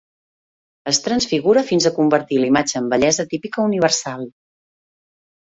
...es transfigura fins a convertir l'imatge en bellesa típica universal